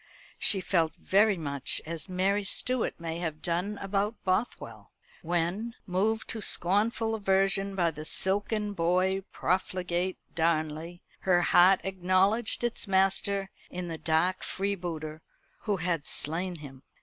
She felt very much as Mary Stuart may have done about Bothwell; when, moved to scornful aversion by the silken boy profligate Darnley, her heart acknowledged its master in the dark freebooter who had slain him.